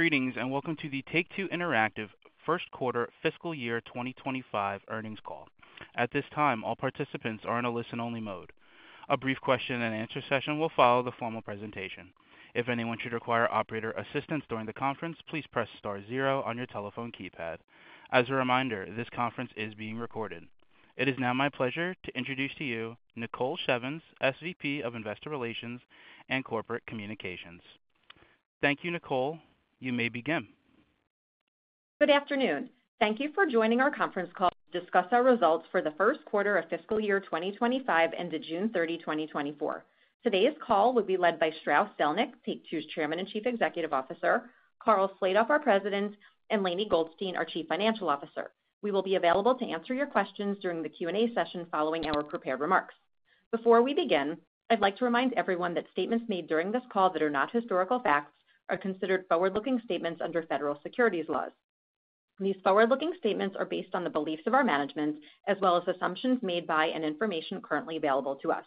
Greetings, and welcome to the Take-Two Interactive First Quarter Fiscal Year 2025 Earnings Call. At this time, all participants are in a listen-only mode. A brief question-and-answer session will follow the formal presentation. If anyone should require operator assistance during the conference, please press star zero on your telephone keypad. As a reminder, this conference is being recorded. It is now my pleasure to introduce to you Nicole Shevins, SVP of Investor Relations and Corporate Communications. Thank you, Nicole. You may begin. Good afternoon. Thank you for joining our conference call to discuss our Results for The First Quarter of Fiscal Year 2025 Ended June 30, 2024. Today's call will be led by Strauss Zelnick, Take-Two's Chairman and Chief Executive Officer, Karl Slatoff, our President, and Lainie Goldstein, our Chief Financial Officer. We will be available to answer your questions during the Q&A session following our prepared remarks. Before we begin, I'd like to remind everyone that statements made during this call that are not historical facts are considered forward-looking statements under federal securities laws. These forward-looking statements are based on the beliefs of our management as well as assumptions made by and information currently available to us.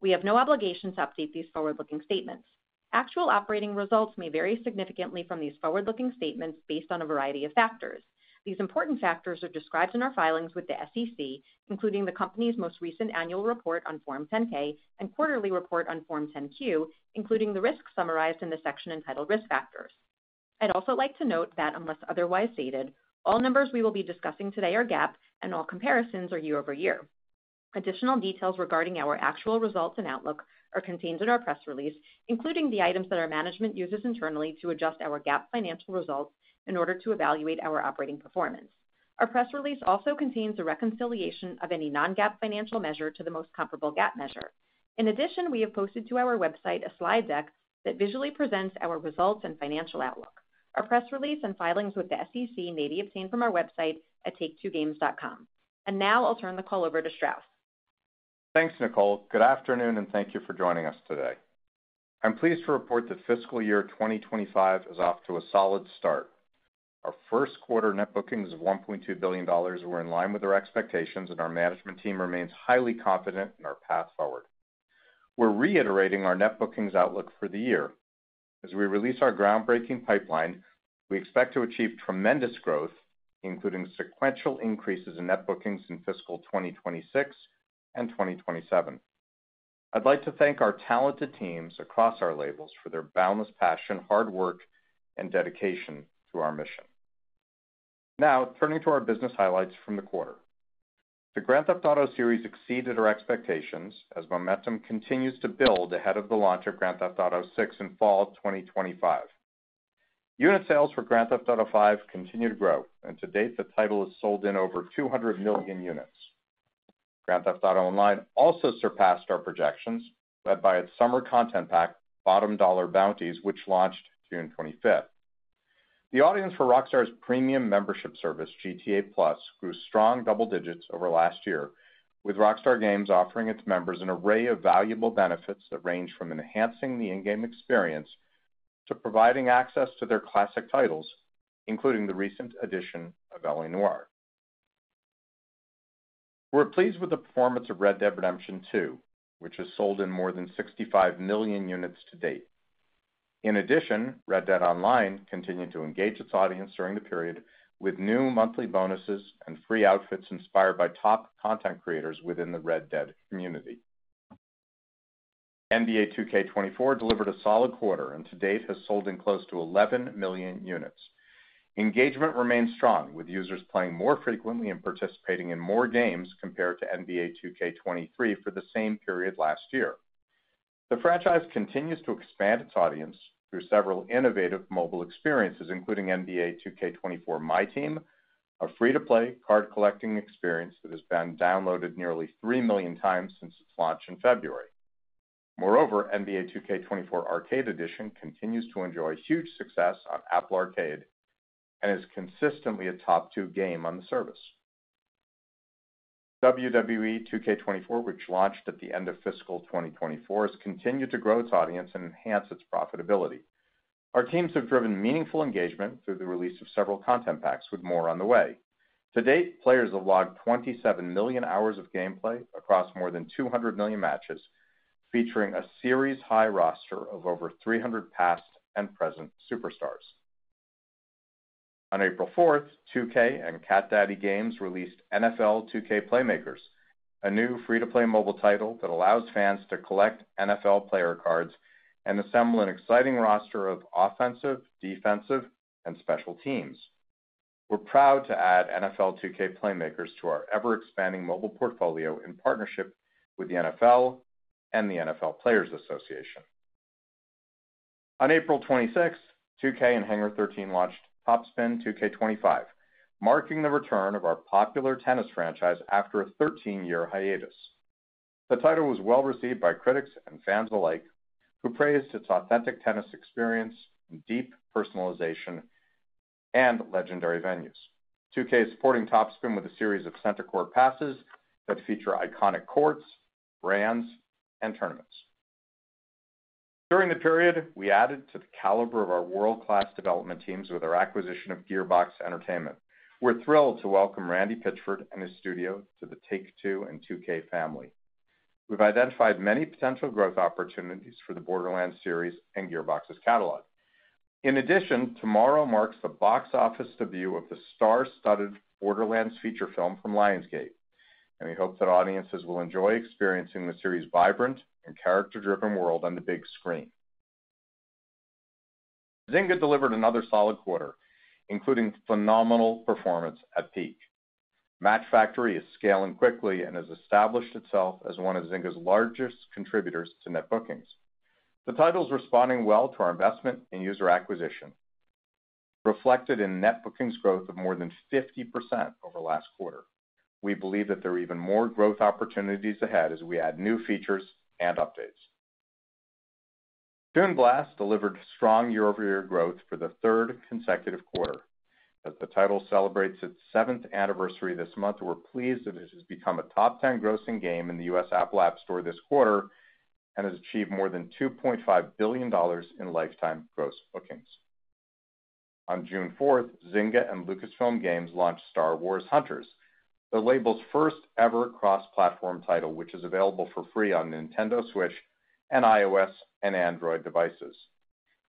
We have no obligation to update these forward-looking statements. Actual operating results may vary significantly from these forward-looking statements based on a variety of factors. These important factors are described in our filings with the SEC, including the company's most recent annual report on Form 10-K and quarterly report on Form 10-Q, including the risks summarized in the section entitled Risk Factors. I'd also like to note that unless otherwise stated, all numbers we will be discussing today are GAAP, and all comparisons are year-over-year. Additional details regarding our actual results and outlook are contained in our press release, including the items that our management uses internally to adjust our GAAP financial results in order to evaluate our operating performance. Our press release also contains a reconciliation of any non-GAAP financial measure to the most comparable GAAP measure. In addition, we have posted to our website a slide deck that visually presents our results and financial outlook. Our press release and filings with the SEC may be obtained from our website at taketwogames.com. Now I'll turn the call over to Strauss. Thanks, Nicole. Good afternoon, and thank you for joining us today. I'm pleased to report that fiscal year 2025 is off to a solid start. Our first quarter net bookings of $1.2 billion were in line with our expectations, and our management team remains highly confident in our path forward. We're reiterating our net bookings outlook for the year. As we release our groundbreaking pipeline, we expect to achieve tremendous growth, including sequential increases in net bookings in fiscal 2026 and 2027. I'd like to thank our talented teams across our labels for their boundless passion, hard work, and dedication to our mission. Now, turning to our business highlights from the quarter. The Grand Theft Auto series exceeded our expectations as momentum continues to build ahead of the launch of Grand Theft Auto VI in fall of 2025. Unit sales for Grand Theft Auto V continue to grow, and to date, the title has sold in over 200 million units. Grand Theft Auto Online also surpassed our projections, led by its summer content pack, Bottom Dollar Bounties, which launched June 25th. The audience for Rockstar's premium membership service, GTA+, grew strong double digits over last year, with Rockstar Games offering its members an array of valuable benefits that range from enhancing the in-game experience to providing access to their classic titles, including the recent addition of L.A. Noire. We're pleased with the performance of Red Dead Redemption 2, which has sold in more than 65 million units to date. In addition, Red Dead Online continued to engage its audience during the period with new monthly bonuses and free outfits inspired by top content creators within the Red Dead community. NBA 2K24 delivered a solid quarter, and to date has sold in close to 11 million units. Engagement remains strong, with users playing more frequently and participating in more games compared to NBA 2K23 for the same period last year. The franchise continues to expand its audience through several innovative mobile experiences, including NBA 2K24 MyTEAM, a free-to-play card collecting experience that has been downloaded nearly 3 million times since its launch in February. Moreover, NBA 2K24 Arcade Edition continues to enjoy huge success on Apple Arcade and is consistently a top two game on the service. WWE 2K24, which launched at the end of fiscal 2024, has continued to grow its audience and enhance its profitability. Our teams have driven meaningful engagement through the release of several content packs, with more on the way. To date, players have logged 27 million hours of gameplay across more than 200 million matches, featuring a series-high roster of over 300 past and present superstars. On April 4, 2K and Cat Daddy Games released NFL 2K Playmakers, a new free-to-play mobile title that allows fans to collect NFL player cards and assemble an exciting roster of offensive, defensive, and special teams. We're proud to add NFL 2K Playmakers to our ever-expanding mobile portfolio in partnership with the NFL and the NFL Players Association. On April 26, 2K and Hangar 13 launched TopSpin 2K25, marking the return of our popular tennis franchise after a 13-year hiatus. The title was well received by critics and fans alike, who praised its authentic tennis experience and deep personalization and legendary venues. 2K is supporting TopSpin with a series of Centre Court Passes that feature iconic courts, brands, and tournaments. During the period, we added to the caliber of our world-class development teams with our acquisition of Gearbox Entertainment. We're thrilled to welcome Randy Pitchford and his studio to the Take-Two and 2K family. We've identified many potential growth opportunities for the Borderlands series and Gearbox's catalog. In addition, tomorrow marks the box office debut of the star-studded Borderlands feature film from Lionsgate, and we hope that audiences will enjoy experiencing the series' vibrant and character-driven world on the big screen. Zynga delivered another solid quarter, including phenomenal performance at Peak. Match Factory is scaling quickly and has established itself as one of Zynga's largest contributors to net bookings. The title is responding well to our investment in user acquisition, reflected in net bookings growth of more than 50% over last quarter. We believe that there are even more growth opportunities ahead as we add new features and updates. Toon Blast delivered strong year-over-year growth for the third consecutive quarter. As the title celebrates its seventh anniversary this month, we're pleased that it has become a top 10 grossing game in the U.S. Apple App Store this quarter and has achieved more than $2.5 billion in lifetime gross bookings. On June fourth, Zynga and Lucasfilm Games launched Star Wars: Hunters, the label's first-ever cross-platform title, which is available for free on Nintendo Switch and iOS and Android devices.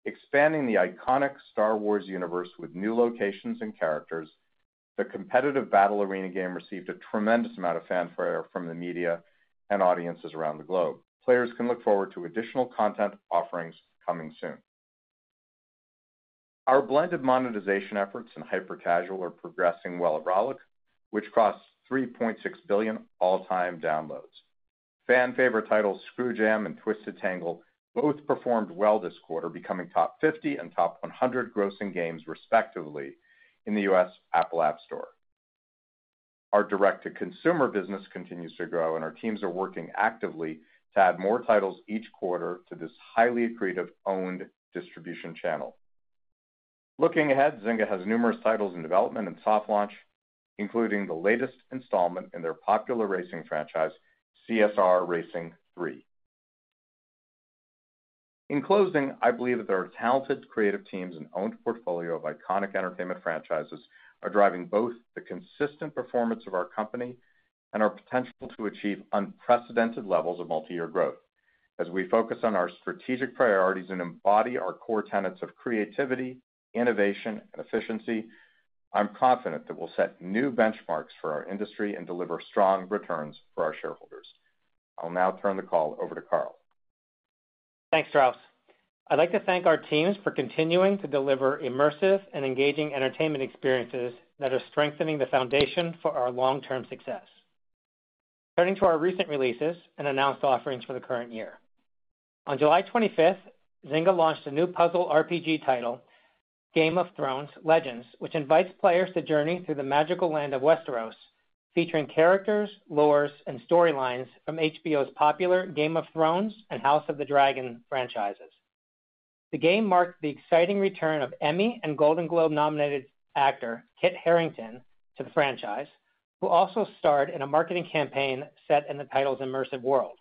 Expanding the iconic Star Wars universe with new locations and characters, the competitive battle arena game received a tremendous amount of fanfare from the media and audiences around the globe. Players can look forward to additional content offerings coming soon. Our blended monetization efforts in hyper-casual are progressing well at Rollic, which crossed 3.6 billion all-time downloads. Fan-favorite titles Screw Jam and Twisted Tangle both performed well this quarter, becoming top 50 and top 100 grossing games, respectively, in the U.S. Apple App Store. Our direct-to-consumer business continues to grow, and our teams are working actively to add more titles each quarter to this highly accretive owned distribution channel. Looking ahead, Zynga has numerous titles in development and soft launch, including the latest installment in their popular racing franchise, CSR Racing 3. In closing, I believe that our talented creative teams and owned portfolio of iconic entertainment franchises are driving both the consistent performance of our company and our potential to achieve unprecedented levels of multiyear growth. As we focus on our strategic priorities and embody our core tenets of creativity, innovation, and efficiency, I'm confident that we'll set new benchmarks for our industry and deliver strong returns for our shareholders. I'll now turn the call over to Karl. Thanks, Strauss. I'd like to thank our teams for continuing to deliver immersive and engaging entertainment experiences that are strengthening the foundation for our long-term success. Turning to our recent releases and announced offerings for the current year. On July 25, Zynga launched a new puzzle RPG title, Game of Thrones: Legends, which invites players to journey through the magical land of Westeros, featuring characters, lores, and storylines from HBO's popular Game of Thrones and House of the Dragon franchises. The game marked the exciting return of Emmy and Golden Globe-nominated actor Kit Harington to the franchise, who also starred in a marketing campaign set in the title's immersive world.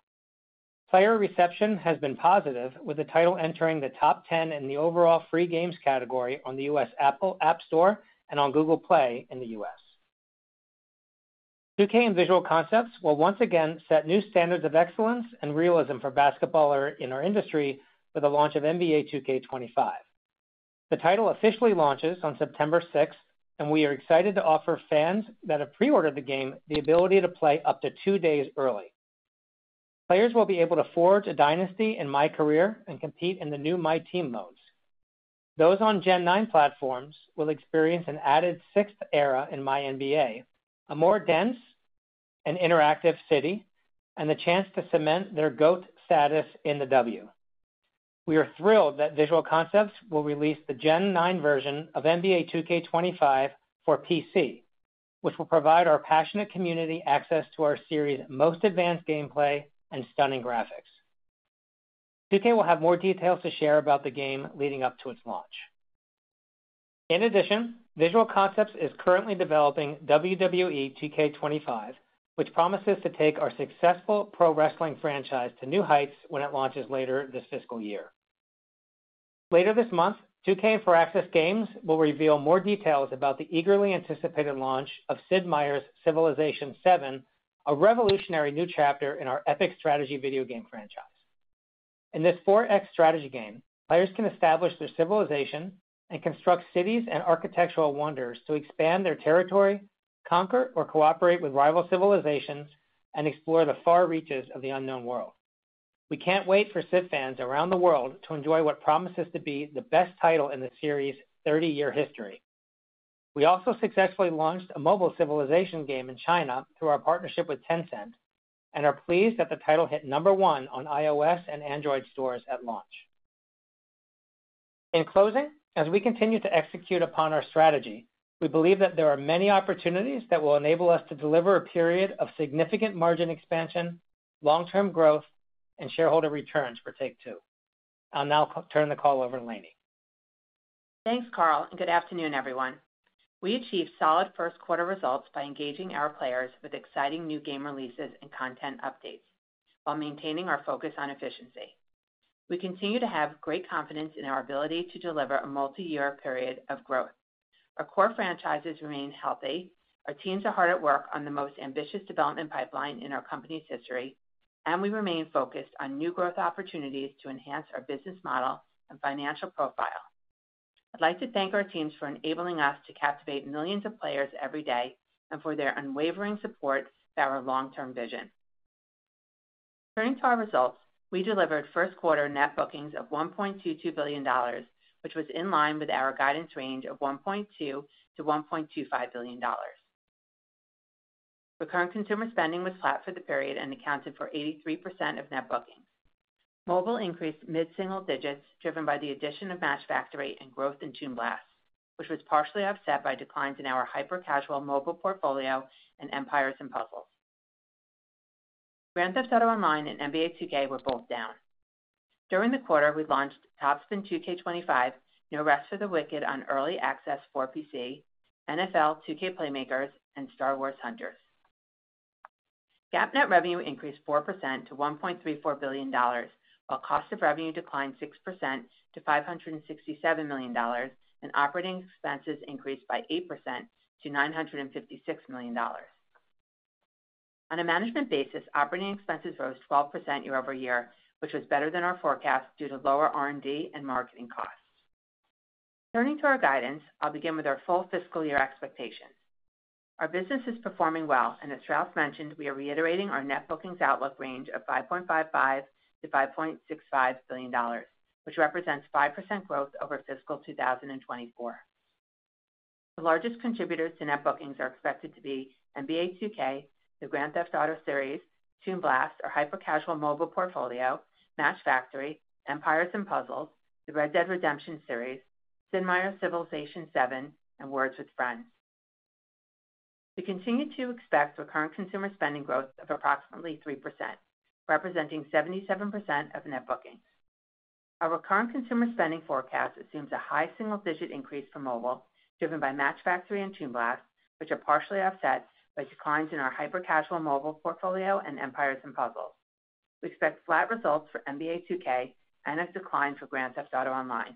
Player reception has been positive, with the title entering the top ten in the overall free games category on the U.S. Apple App Store and on Google Play in the U.S. 2K and Visual Concepts will once again set new standards of excellence and realism for basketball in our industry with the launch of NBA 2K25. The title officially launches on September sixth, and we are excited to offer fans that have preordered the game the ability to play up to two days early. Players will be able to forge a dynasty in MyCAREER and compete in the new MyTEAM modes. Those on Gen 9 platforms will experience an added sixth era in MyNBA, a more dense and interactive city, and the chance to cement their GOAT status in the W. We are thrilled that Visual Concepts will release the Gen 9 version of NBA 2K25 for PC, which will provide our passionate community access to our series' most advanced gameplay and stunning graphics. 2K will have more details to share about the game leading up to its launch. In addition, Visual Concepts is currently developing WWE 2K25, which promises to take our successful pro wrestling franchise to new heights when it launches later this fiscal year. Later this month, 2K and Firaxis Games will reveal more details about the eagerly anticipated launch of Sid Meier's Civilization VII, a revolutionary new chapter in our epic strategy video game franchise. In this 4X strategy game, players can establish their civilization and construct cities and architectural wonders to expand their territory, conquer or cooperate with rival civilizations, and explore the far reaches of the unknown world. We can't wait for Civ fans around the world to enjoy what promises to be the best title in the series' 30-year history. We also successfully launched a mobile Civilization game in China through our partnership with Tencent and are pleased that the title hit number one on iOS and Android stores at launch. In closing, as we continue to execute upon our strategy, we believe that there are many opportunities that will enable us to deliver a period of significant margin expansion, long-term growth, and shareholder returns for Take-Two. I'll now turn the call over to Lainie. Thanks, Karl, and good afternoon, everyone. We achieved solid first quarter results by engaging our players with exciting new game releases and content updates while maintaining our focus on efficiency.... We continue to have great confidence in our ability to deliver a multiyear period of growth. Our core franchises remain healthy. Our teams are hard at work on the most ambitious development pipeline in our company's history, and we remain focused on new growth opportunities to enhance our business model and financial profile. I'd like to thank our teams for enabling us to captivate millions of players every day and for their unwavering support for our long-term vision. Turning to our results, we delivered first quarter net bookings of $1.22 billion, which was in line with our guidance range of $1.2 billion-$1.25 billion. Recurrent consumer spending was flat for the period and accounted for 83% of net bookings. Mobile increased mid-single digits, driven by the addition of Match Factory and growth in Toon Blast, which was partially offset by declines in our hyper-casual mobile portfolio and Empires & Puzzles. Grand Theft Auto Online and NBA 2K were both down. During the quarter, we launched TopSpin 2K25, No Rest for the Wicked on Early Access for PC, NFL 2K Playmakers, and Star Wars: Hunters. GAAP net revenue increased 4% to $1.34 billion, while cost of revenue declined 6% to $567 million, and operating expenses increased by 8% to $956 million. On a management basis, operating expenses rose 12% year-over-year, which was better than our forecast due to lower R&D and marketing costs. Turning to our guidance, I'll begin with our full fiscal year expectations. Our business is performing well, and as Strauss mentioned, we are reiterating our net bookings outlook range of $5.55 billion-$5.65 billion, which represents 5% growth over fiscal 2024. The largest contributors to net bookings are expected to be NBA 2K, the Grand Theft Auto series, Toon Blast, our hyper-casual mobile portfolio, Match Factory, Empires & Puzzles, the Red Dead Redemption series, Sid Meier's Civilization VII, and Words With Friends. We continue to expect recurrent consumer spending growth of approximately 3%, representing 77% of net bookings. Our recurrent consumer spending forecast assumes a high single-digit increase for mobile, driven by Match Factory and Toon Blast, which are partially offset by declines in our hyper-casual mobile portfolio and Empires & Puzzles. We expect flat results for NBA 2K and a decline for Grand Theft Auto Online.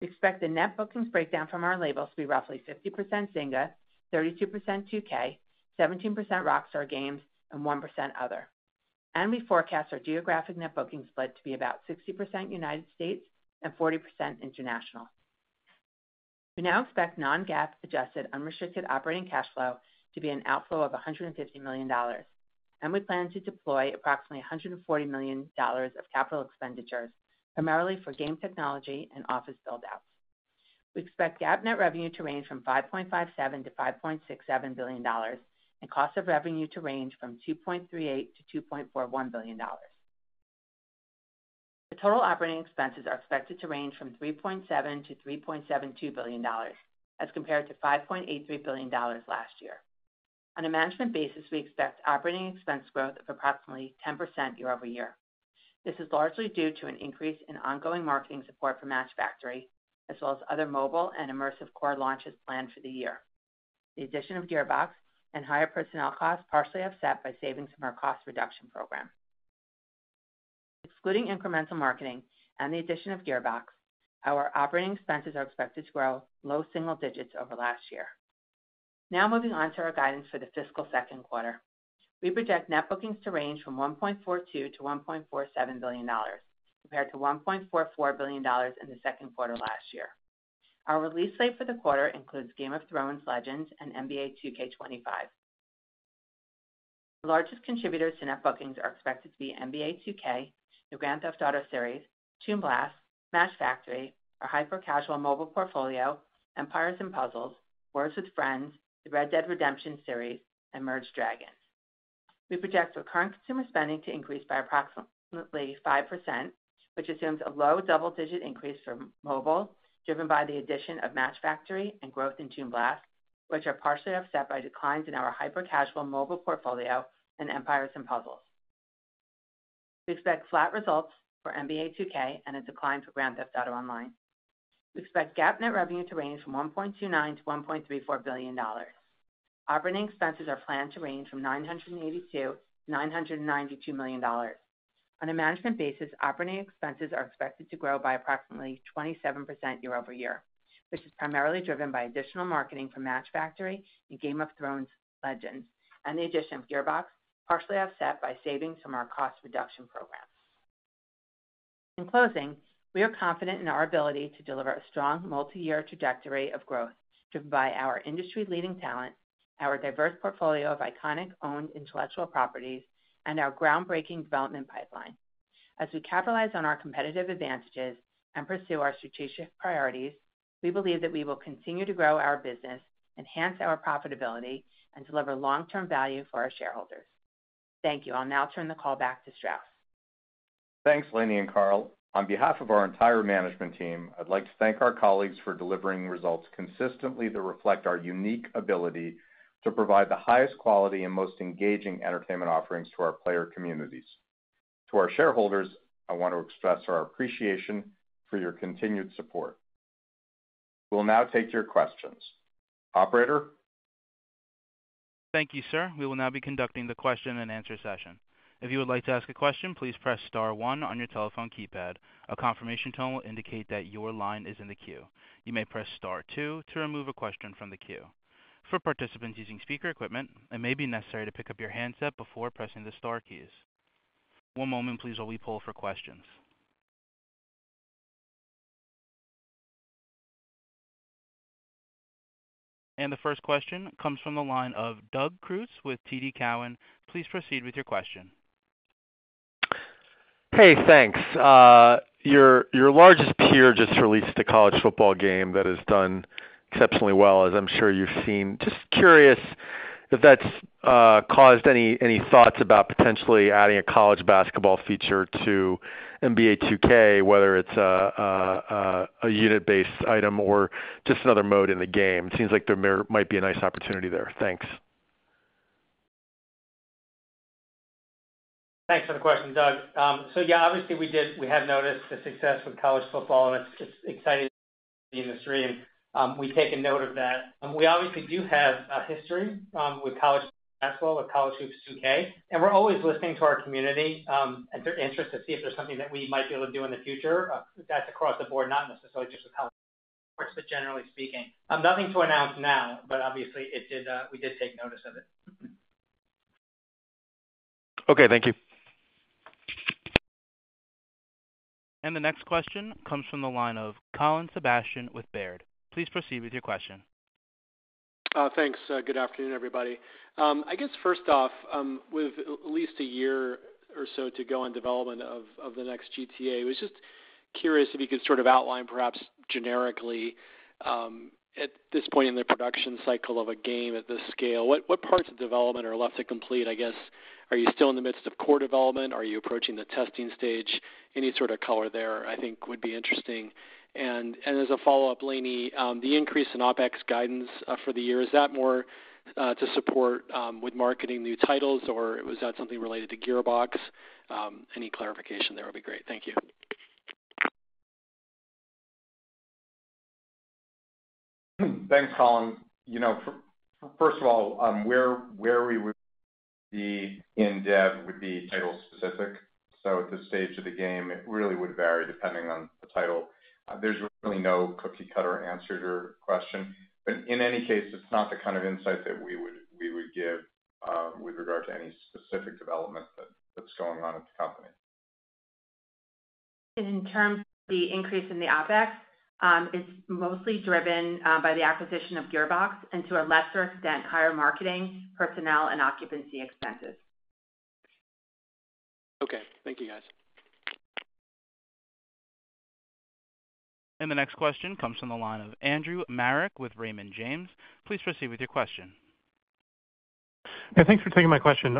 We expect the net bookings breakdown from our labels to be roughly 50% Zynga, 32% 2K, 17% Rockstar Games, and 1% other, and we forecast our geographic net bookings split to be about 60% United States and 40% international. We now expect non-GAAP adjusted unrestricted operating cash flow to be an outflow of $150 million, and we plan to deploy approximately $140 million of capital expenditures, primarily for game technology and office buildouts. We expect GAAP net revenue to range from $5.57 billion-$5.67 billion, and cost of revenue to range from $2.38 billion-$2.41 billion. The total operating expenses are expected to range from $3.7 billion-$3.72 billion, as compared to $5.83 billion last year. On a management basis, we expect operating expense growth of approximately 10% year-over-year. This is largely due to an increase in ongoing marketing support for Match Factory, as well as other mobile and immersive core launches planned for the year. The addition of Gearbox and higher personnel costs partially offset by savings from our cost reduction program. Excluding incremental marketing and the addition of Gearbox, our operating expenses are expected to grow low single digits over last year. Now moving on to our guidance for the fiscal second quarter. We project net bookings to range from $1.42 billion-$1.47 billion, compared to $1.44 billion in the second quarter last year. Our release slate for the quarter includes Game of Thrones: Legends and NBA 2K25. The largest contributors to net bookings are expected to be NBA 2K, the Grand Theft Auto series, Toon Blast, Match Factory, our hyper-casual mobile portfolio, Empires & Puzzles, Words With Friends, the Red Dead Redemption series, and Merge Dragons. We project our recurrent consumer spending to increase by approximately 5%, which assumes a low double-digit increase for mobile, driven by the addition of Match Factory and growth in Toon Blast, which are partially offset by declines in our hyper-casual mobile portfolio and Empires & Puzzles. We expect flat results for NBA 2K and a decline for Grand Theft Auto Online. We expect GAAP net revenue to range from $1.29 billion-$1.34 billion. Operating expenses are planned to range from $982 million-$992 million. On a management basis, operating expenses are expected to grow by approximately 27% year-over-year, which is primarily driven by additional marketing for Match Factory and Game of Thrones: Legends and the addition of Gearbox, partially offset by savings from our cost reduction program. In closing, we are confident in our ability to deliver a strong multiyear trajectory of growth driven by our industry-leading talent, our diverse portfolio of iconic owned intellectual properties, and our groundbreaking development pipeline. As we capitalize on our competitive advantages and pursue our strategic priorities, we believe that we will continue to grow our business, enhance our profitability, and deliver long-term value for our shareholders. Thank you. I'll now turn the call back to Strauss. Thanks, Lainie and Karl. On behalf of our entire management team, I'd like to thank our colleagues for delivering results consistently that reflect our unique ability to provide the highest quality and most engaging entertainment offerings to our player communities. To our shareholders, I want to express our appreciation for your continued support. We'll now take your questions. Operator? ...Thank you, sir. We will now be conducting the question-and-answer session. If you would like to ask a question, please press star one on your telephone keypad. A confirmation tone will indicate that your line is in the queue. You may press star two to remove a question from the queue. For participants using speaker equipment, it may be necessary to pick up your handset before pressing the star keys. One moment, please, while we poll for questions. The first question comes from the line of Doug Creutz with TD Cowen. Please proceed with your question. Hey, thanks. Your largest peer just released a college football game that has done exceptionally well, as I'm sure you've seen. Just curious if that's caused any thoughts about potentially adding a college basketball feature to NBA 2K, whether it's a unit-based item or just another mode in the game. Seems like there might be a nice opportunity there. Thanks. Thanks for the question, Doug. So yeah, obviously we have noticed the success with college football, and it's exciting the industry, and we've taken note of that. And we obviously do have a history with college basketball, with College Hoops 2K, and we're always listening to our community and their interest to see if there's something that we might be able to do in the future. That's across the board, not necessarily just with college sports, but generally speaking. Nothing to announce now, but obviously, it did, we did take notice of it. Okay, thank you. The next question comes from the line of Colin Sebastian with Baird. Please proceed with your question. Thanks. Good afternoon, everybody. I guess first off, with at least a year or so to go in development of the next GTA, I was just curious if you could sort of outline, perhaps generically, at this point in the production cycle of a game at this scale, what parts of development are left to complete? I guess, are you still in the midst of core development? Are you approaching the testing stage? Any sort of color there, I think, would be interesting. And as a follow-up, Lainie, the increase in OpEx guidance for the year, is that more to support with marketing new titles, or was that something related to Gearbox? Any clarification there would be great. Thank you. Thanks, Colin. You know, first of all, where we would be in dev would be title specific. So at this stage of the game, it really would vary depending on the title. There's really no cookie-cutter answer to your question. But in any case, it's not the kind of insight that we would give with regard to any specific development that's going on at the company. In terms of the increase in the OpEx, it's mostly driven by the acquisition of Gearbox, and to a lesser extent, higher marketing, personnel, and occupancy expenses. Okay. Thank you, guys. The next question comes from the line of Andrew Marok with Raymond James. Please proceed with your question. Yeah, thanks for taking my question.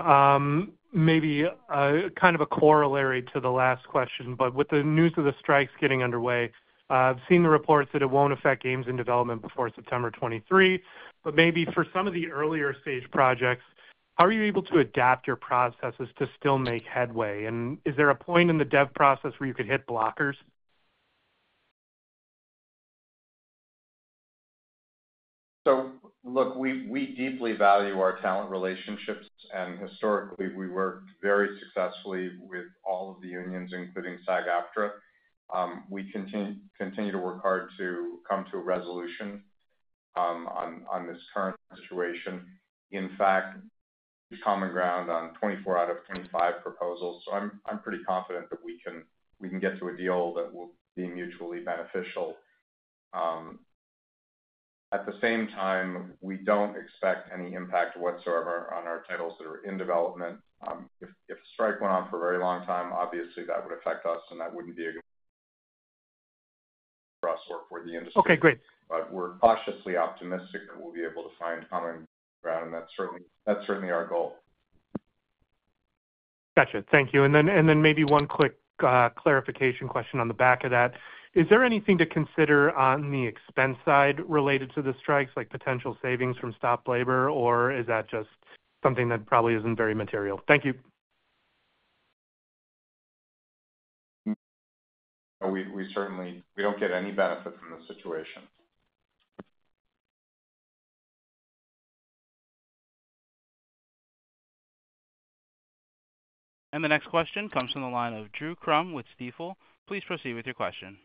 Maybe, kind of a corollary to the last question, but with the news of the strikes getting underway, I've seen the reports that it won't affect games in development before September 2023. But maybe for some of the earlier stage projects, how are you able to adapt your processes to still make headway? And is there a point in the dev process where you could hit blockers? Look, we deeply value our talent relationships, and historically, we worked very successfully with all of the unions, including SAG-AFTRA. We continue to work hard to come to a resolution on this current situation. In fact, common ground on 24 out of 25 proposals, so I'm pretty confident that we can get to a deal that will be mutually beneficial. At the same time, we don't expect any impact whatsoever on our titles that are in development. If a strike went on for a very long time, obviously that would affect us and that wouldn't be good for us or for the industry. Okay, great. But we're cautiously optimistic that we'll be able to find common ground, and that's certainly, that's certainly our goal. Gotcha. Thank you. Then maybe one quick clarification question on the back of that. Is there anything to consider on the expense side related to the strikes, like potential savings from stopped labor, or is that just something that probably isn't very material? Thank you. We certainly don't get any benefit from this situation. The next question comes from the line of Drew Crum with Stifel. Please proceed with your question.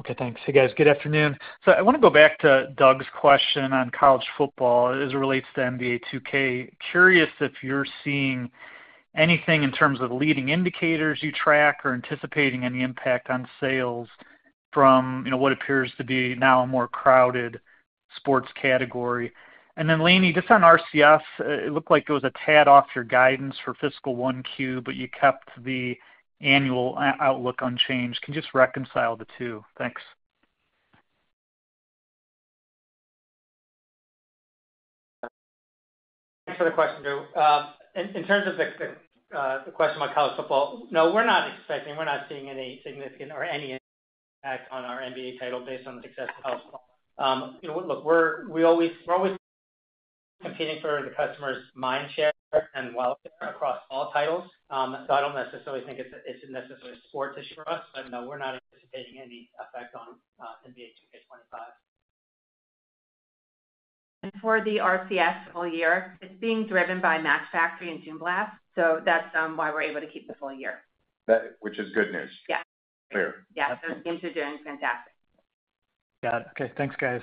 Okay, thanks. Hey, guys. Good afternoon. So I want to go back to Doug's question on college football as it relates to NBA 2K. Curious if you're seeing anything in terms of leading indicators you track or anticipating any impact on sales from, you know, what appears to be now a more crowded sports category. And then, Lainie, just on RCS, it looked like it was a tad off your guidance for fiscal 1Q, but you kept the annual outlook unchanged. Can you just reconcile the two? Thanks. Thanks for the question, Drew. In terms of the question about college football, no, we're not expecting, we're not seeing any significant or any impact on our NBA title based on the success of college football. You know, look, we always, we're always competing for the customer's mind share and welfare across all titles. So I don't necessarily think it's necessarily a sports issue for us, but no, we're not anticipating any effect on NBA 2K25.... For the RCS full year, it's being driven by Match Factory and Toon Blast, so that's why we're able to keep the full year. That which is good news? Yes. Clear. Yes, those games are doing fantastic. Got it. Okay, thanks, guys.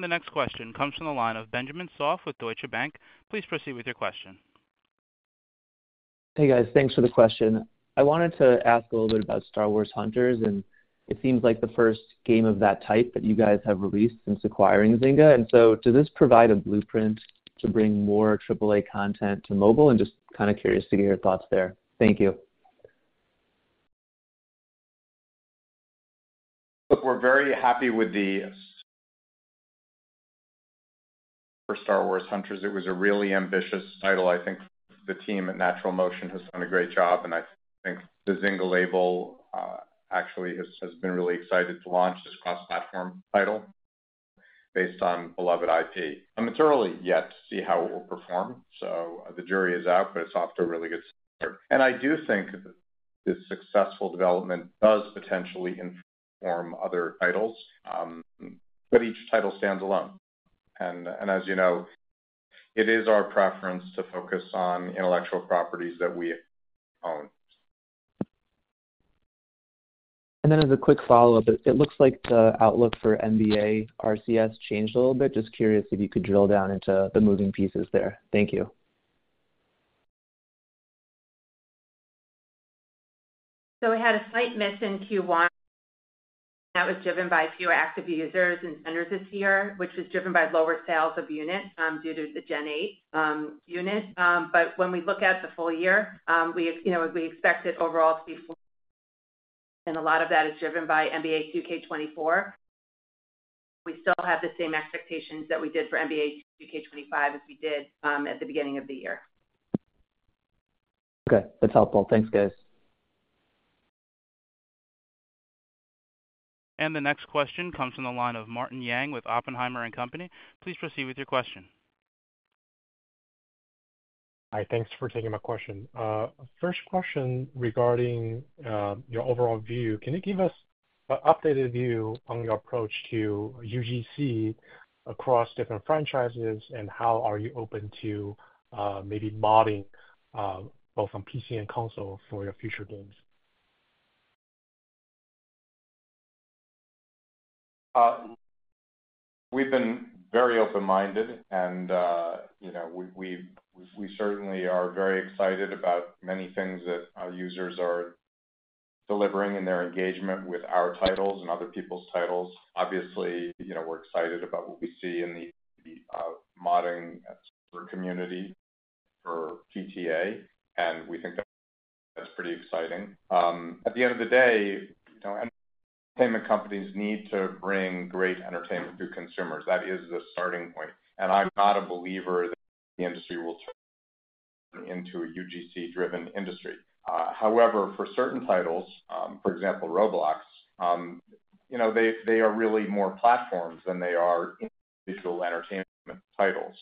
The next question comes from the line of Benjamin Soff with Deutsche Bank. Please proceed with your question. Hey, guys. Thanks for the question. I wanted to ask a little bit about Star Wars Hunters, and it seems like the first game of that type that you guys have released since acquiring Zynga. And so does this provide a blueprint to bring more triple A content to mobile? And just kind of curious to hear your thoughts there. Thank you. Look, we're very happy with the for Star Wars: Hunters. It was a really ambitious title. I think the team at NaturalMotion has done a great job, and I think the Zynga label actually has been really excited to launch this cross-platform title based on beloved IP. I mean, it's early yet to see how it will perform, so the jury is out, but it's off to a really good start. And I do think this successful development does potentially inform other titles, but each title stands alone. And as you know, it is our preference to focus on intellectual properties that we own. Then as a quick follow-up, it looks like the outlook for NBA RCS changed a little bit. Just curious if you could drill down into the moving pieces there? Thank you. So we had a slight miss in Q1. That was driven by fewer active users in NBA 2K this year, which was driven by lower sales of units, due to the Gen 8 unit. But when we look at the full year, we, you know, we expect it overall to be four, and a lot of that is driven by NBA 2K24. We still have the same expectations that we did for NBA 2K25 as we did, at the beginning of the year. Okay, that's helpful. Thanks, guys. The next question comes from the line of Martin Yang with Oppenheimer & Co. Please proceed with your question. Hi, thanks for taking my question. First question regarding your overall view. Can you give us an updated view on your approach to UGC across different franchises, and how are you open to maybe modding both on PC and console for your future games? We've been very open-minded and, you know, we certainly are very excited about many things that our users are delivering in their engagement with our titles and other people's titles. Obviously, you know, we're excited about what we see in the modding server community for GTA, and we think that's pretty exciting. At the end of the day, you know, entertainment companies need to bring great entertainment to consumers. That is the starting point. And I'm not a believer that the industry will turn into a UGC-driven industry. However, for certain titles, for example, Roblox, you know, they are really more platforms than they are individual entertainment titles.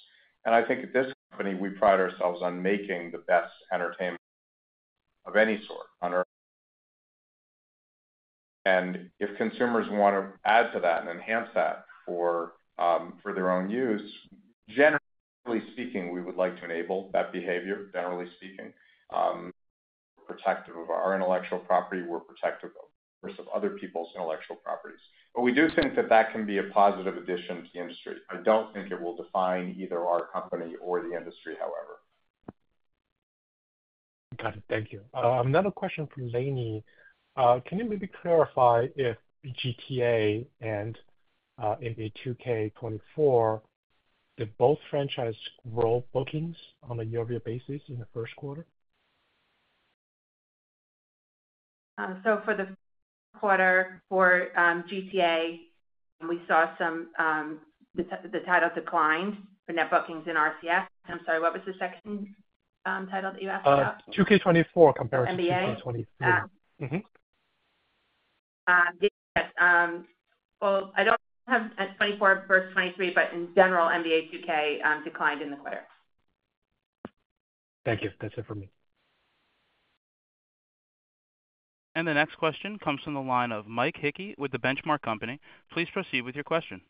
And I think at this company, we pride ourselves on making the best entertainment of any sort on Earth. And if consumers want to add to that and enhance that for their own use, generally speaking, we would like to enable that behavior, generally speaking. We're protective of our intellectual property. We're protective of other people's intellectual properties. But we do think that that can be a positive addition to the industry. I don't think it will define either our company or the industry, however. Got it. Thank you. Another question from Lainie. Can you maybe clarify if GTA and NBA 2K24 did both franchise world bookings on a year-over-year basis in the first quarter? So for the quarter for GTA, we saw the title declined for net bookings in RCS. I'm sorry, what was the second title that you asked about? 2K24 comparison to 2K23- NBA? Mm-hmm. Yes. Well, I don't have 24 versus 23, but in general, NBA 2K declined in the quarter. Thank you. That's it for me. The next question comes from the line of Mike Hickey with The Benchmark Company. Please proceed with your question.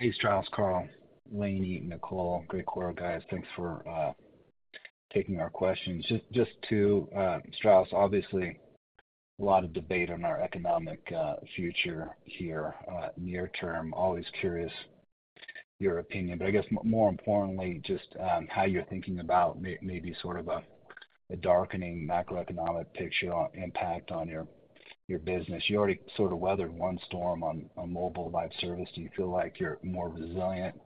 Hey, Strauss, Karl, Lainie, Nicole. Great quarter, guys. Thanks for taking our questions. Just to, Strauss, obviously, a lot of debate on our economic future here, near term. Always curious your opinion, but I guess more importantly, just how you're thinking about maybe sort of a darkening macroeconomic picture impact on your business. You already sort of weathered one storm on mobile live service. Do you feel like you're more resilient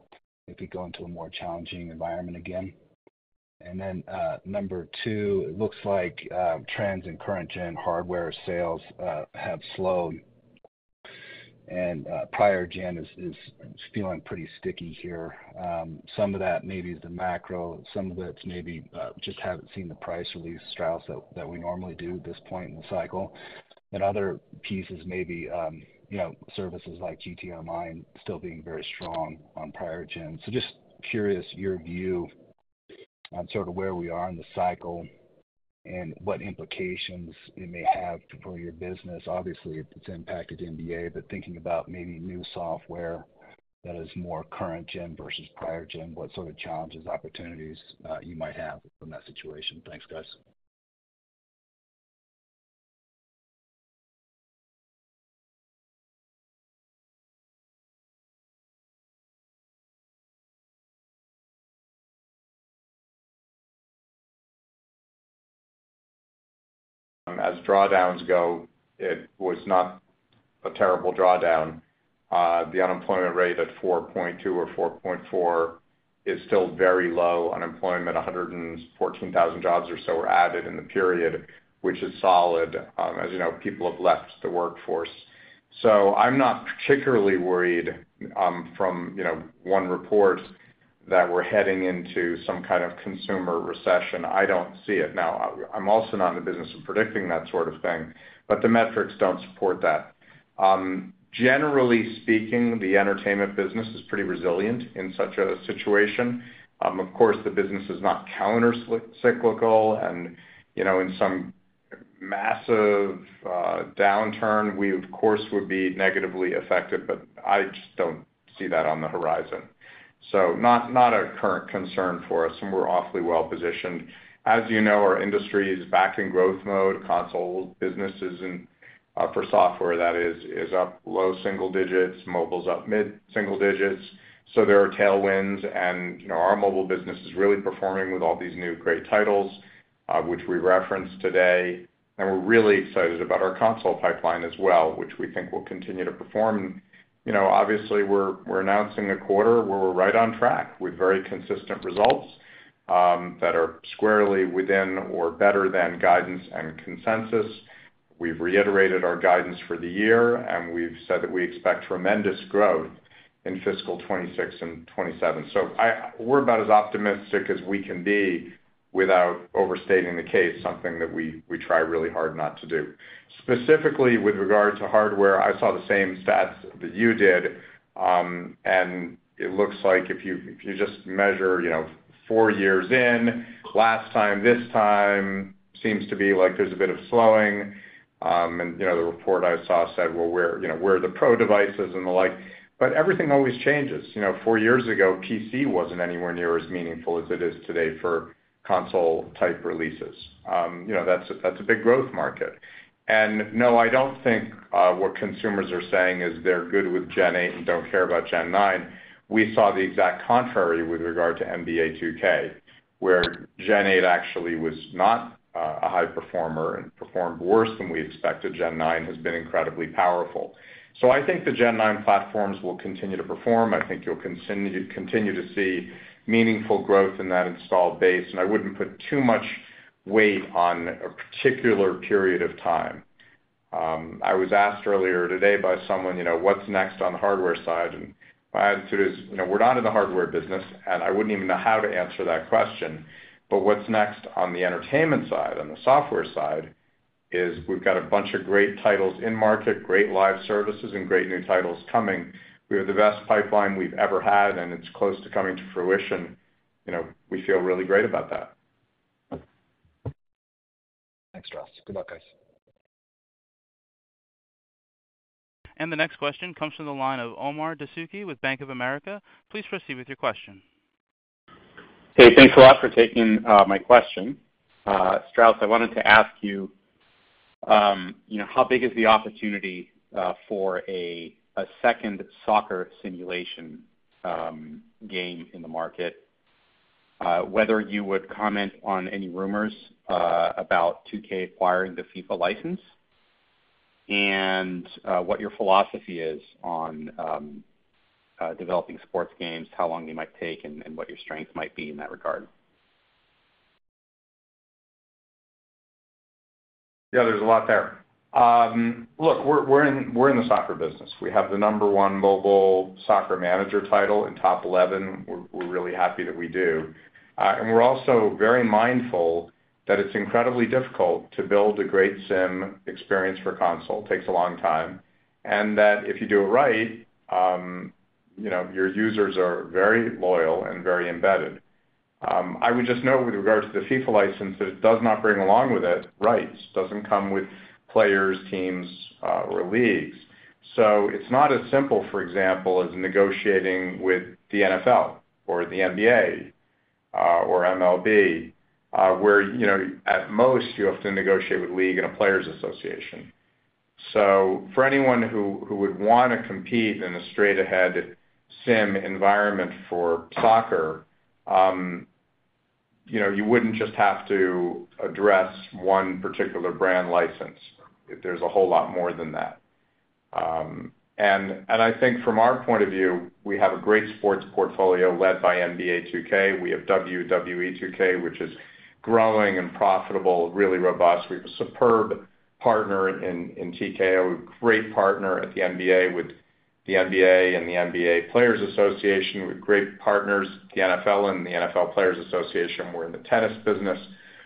if you go into a more challenging environment again? And then, number two, it looks like trends in current gen hardware sales have slowed, and prior gen is feeling pretty sticky here. Some of that may be the macro, some of it's maybe just haven't seen the price release, Strauss, that we normally do at this point in the cycle. Other pieces may be, you know, services like GTA Online still being very strong on prior gen. Just curious your view on sort of where we are in the cycle and what implications it may have for your business. Obviously, it's impacted NBA, but thinking about maybe new software that is more current gen versus prior gen, what sort of challenges, opportunities, you might have from that situation? Thanks, guys. As drawdowns go, it was not a terrible drawdown. The unemployment rate at 4.2% or 4.4% is still very low. Unemployment, 114,000 jobs or so were added in the period, which is solid. As you know, people have left the workforce. So I'm not particularly worried, from, you know, one report that we're heading into some kind of consumer recession. I don't see it. Now, I, I'm also not in the business of predicting that sort of thing, but the metrics don't support that. Generally speaking, the entertainment business is pretty resilient in such a situation. Of course, the business is not counter-cyclical, and, you know, in some massive, downturn, we, of course, would be negatively affected, but I just don't see that on the horizon. So not, not a current concern for us, and we're awfully well positioned. As you know, our industry is back in growth mode, console businesses, and for software that is up low single digits, mobile's up mid-single digits. So there are tailwinds and, you know, our mobile business is really performing with all these new great titles, which we referenced today. And we're really excited about our console pipeline as well, which we think will continue to perform. You know, obviously, we're announcing a quarter where we're right on track with very consistent results that are squarely within or better than guidance and consensus. We've reiterated our guidance for the year, and we've said that we expect tremendous growth in fiscal 2026 and 2027. So we're about as optimistic as we can be without overstating the case, something that we try really hard not to do. Specifically, with regard to hardware, I saw the same stats that you did, and it looks like if you just measure, you know, four years in, last time, this time, seems to be like there's a bit of slowing. You know, the report I saw said, well, where are the Pro devices and the like, but everything always changes. You know, four years ago, PC wasn't anywhere near as meaningful as it is today for console-type releases. You know, that's a big growth market. No, I don't think what consumers are saying is they're good with Gen 8 and don't care about Gen 9. We saw the exact contrary with regard to NBA 2K, where Gen 8 actually was not a high performer and performed worse than we expected. Gen 9 has been incredibly powerful. So I think the Gen 9 platforms will continue to perform. I think you'll continue, continue to see meaningful growth in that installed base, and I wouldn't put too much weight on a particular period of time. I was asked earlier today by someone, you know, what's next on the hardware side? And my attitude is, you know, we're not in the hardware business, and I wouldn't even know how to answer that question. But what's next on the entertainment side, on the software side is we've got a bunch of great titles in market, great live services, and great new titles coming. We have the best pipeline we've ever had, and it's close to coming to fruition. You know, we feel really great about that. Thanks, Strauss. Good luck, guys. The next question comes from the line of Omar Dessouky with Bank of America. Please proceed with your question. Hey, thanks a lot for taking my question. Strauss, I wanted to ask you, you know, how big is the opportunity for a second soccer simulation game in the market? Whether you would comment on any rumors about 2K acquiring the FIFA license, and what your philosophy is on developing sports games, how long you might take, and what your strength might be in that regard? Yeah, there's a lot there. Look, we're in the soccer business. We have the number one mobile soccer manager title in Top Eleven. We're really happy that we do. And we're also very mindful that it's incredibly difficult to build a great sim experience for console. Takes a long time, and that if you do it right, you know, your users are very loyal and very embedded. I would just note with regards to the FIFA license, it does not bring along with it rights. Doesn't come with players, teams, or leagues. So it's not as simple, for example, as negotiating with the NFL or the NBA, or MLB, where, you know, at most, you have to negotiate with league and a players association. So for anyone who would want to compete in a straight-ahead sim environment for soccer, you know, you wouldn't just have to address one particular brand license. There's a whole lot more than that. And I think from our point of view, we have a great sports portfolio led by NBA 2K. We have WWE 2K, which is growing and profitable, really robust. We have a superb partner in TKO, a great partner at the NBA with the NBA and the NBA Players Association. We have great partners, the NFL and the NFL Players Association. We're in the tennis business,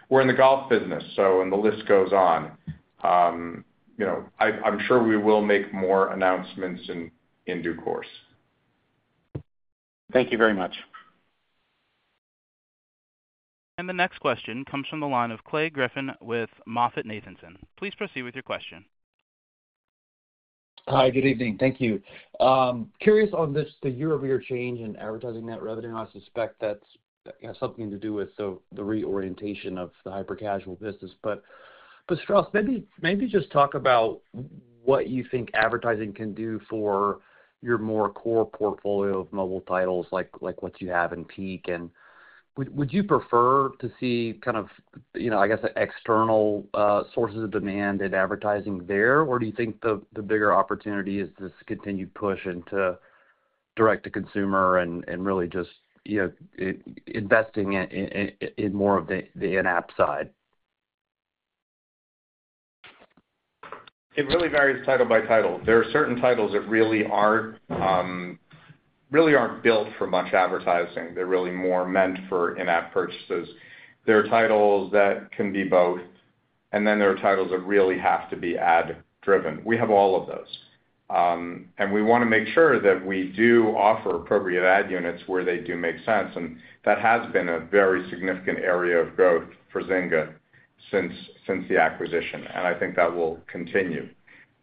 we're in the golf business, so and the list goes on.... You know, I'm sure we will make more announcements in due course. Thank you very much. The next question comes from the line of Clay Griffin with MoffettNathanson. Please proceed with your question. Hi, good evening. Thank you. Curious on this, the year-over-year change in advertising net revenue. I suspect that's, you know, something to do with the reorientation of the hyper-casual business. But Strauss, maybe just talk about what you think advertising can do for your more core portfolio of mobile titles, like what you have in Peak. And would you prefer to see kind of, you know, I guess, external sources of demand and advertising there? Or do you think the bigger opportunity is this continued push into direct-to-consumer and really just, you know, investing in more of the in-app side? It really varies title by title. There are certain titles that really aren't, really aren't built for much advertising. They're really more meant for in-app purchases. There are titles that can be both, and then there are titles that really have to be ad-driven. We have all of those. And we wanna make sure that we do offer appropriate ad units where they do make sense, and that has been a very significant area of growth for Zynga since the acquisition, and I think that will continue.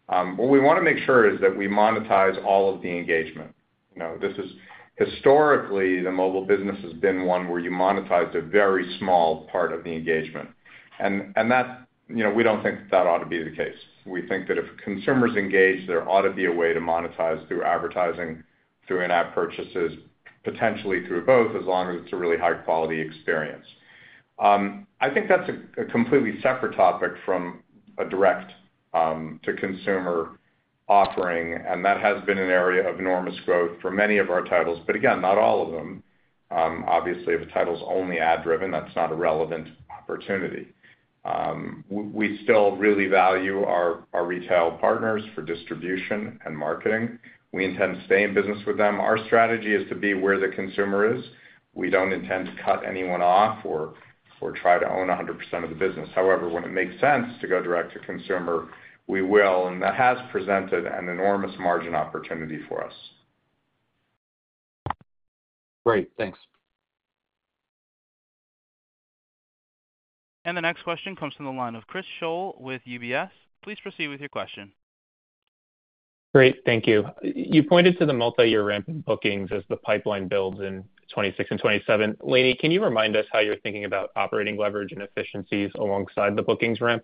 What we wanna make sure is that we monetize all of the engagement. You know, this is historically, the mobile business has been one where you monetized a very small part of the engagement. And that, you know, we don't think that ought to be the case. We think that if consumers engage, there ought to be a way to monetize through advertising, through in-app purchases, potentially through both, as long as it's a really high-quality experience. I think that's a completely separate topic from a direct-to-consumer offering, and that has been an area of enormous growth for many of our titles. But again, not all of them. Obviously, if a title is only ad-driven, that's not a relevant opportunity. We still really value our retail partners for distribution and marketing. We intend to stay in business with them. Our strategy is to be where the consumer is. We don't intend to cut anyone off or try to own 100% of the business. However, when it makes sense to go direct-to-consumer, we will, and that has presented an enormous margin opportunity for us. Great. Thanks. The next question comes from the line of Chris Schoell with UBS. Please proceed with your question. Great, thank you. You pointed to the multiyear ramp in bookings as the pipeline builds in 2026 and 2027. Lainie, can you remind us how you're thinking about operating leverage and efficiencies alongside the bookings ramp?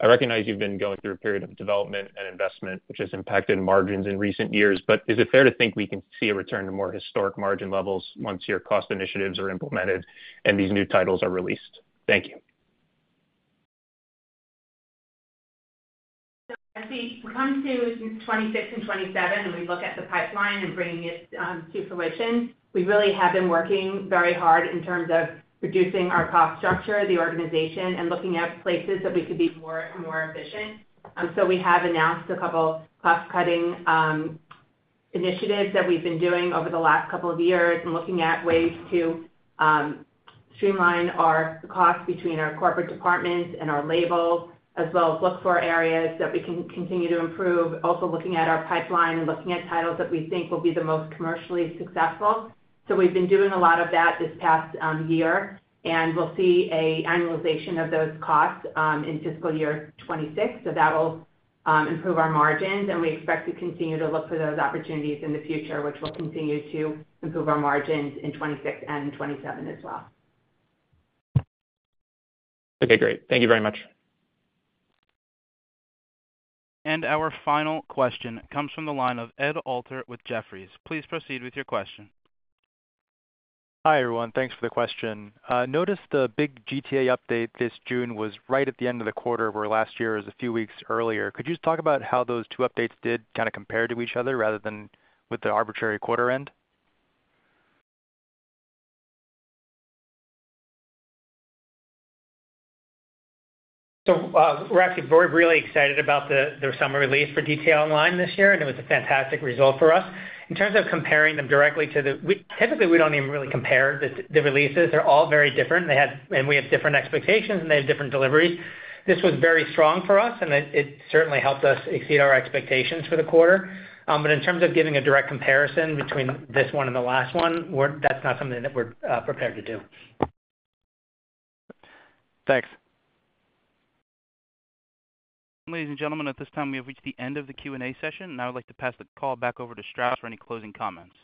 I recognize you've been going through a period of development and investment, which has impacted margins in recent years, but is it fair to think we can see a return to more historic margin levels once your cost initiatives are implemented and these new titles are released? Thank you. As we come to 26 and 27, and we look at the pipeline and bringing it to fruition, we really have been working very hard in terms of reducing our cost structure, the organization, and looking at places that we could be more, more efficient. So we have announced a couple cost-cutting initiatives that we've been doing over the last couple of years and looking at ways to streamline our costs between our corporate departments and our labels, as well as look for areas that we can continue to improve. Also, looking at our pipeline and looking at titles that we think will be the most commercially successful. So we've been doing a lot of that this past year, and we'll see an annualization of those costs in fiscal year 2026. That'll improve our margins, and we expect to continue to look for those opportunities in the future, which will continue to improve our margins in 2026 and in 2027 as well. Okay, great. Thank you very much. Our final question comes from the line of James Heaney with Jefferies. Please proceed with your question. Hi, everyone. Thanks for the question. Noticed the big GTA update this June was right at the end of the quarter, where last year was a few weeks earlier. Could you just talk about how those two updates did kind of compare to each other rather than with the arbitrary quarter end? So, we're actually really excited about the summer release for GTA Online this year, and it was a fantastic result for us. In terms of comparing them directly to the—we typically don't even really compare the releases. They're all very different. We have different expectations, and they have different deliveries. This was very strong for us, and it certainly helped us exceed our expectations for the quarter. But in terms of giving a direct comparison between this one and the last one, we're, that's not something that we're prepared to do. Thanks. Ladies and gentlemen, at this time, we have reached the end of the Q&A session. Now, I'd like to pass the call back over to Strauss for any closing comments.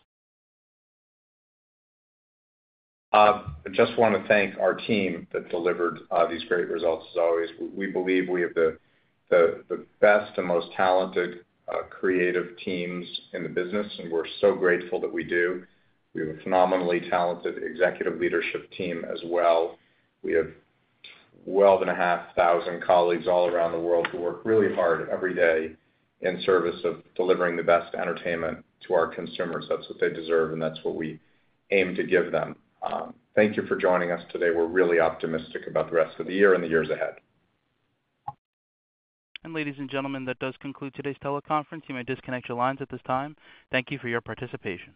I just want to thank our team that delivered these great results as always. We believe we have the best and most talented creative teams in the business, and we're so grateful that we do. We have a phenomenally talented executive leadership team as well. We have 12,500 colleagues all around the world who work really hard every day in service of delivering the best entertainment to our consumers. That's what they deserve, and that's what we aim to give them. Thank you for joining us today. We're really optimistic about the rest of the year and the years ahead. Ladies and gentlemen, that does conclude today's teleconference. You may disconnect your lines at this time. Thank you for your participation.